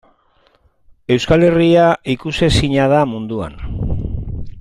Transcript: Euskal Herria ikusezina da munduan?